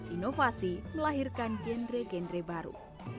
inovasi melahirkan genre genre baru